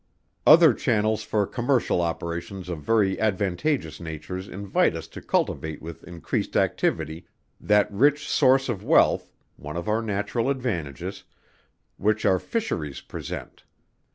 Other channels for commercial operations of very advantageous natures invite us to cultivate with increased activity, that rich source of wealth (one of our natural advantages) which our Fisheries present!